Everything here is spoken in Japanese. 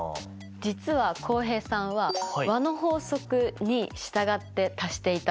実は浩平さんは和の法則に従って足していたんです。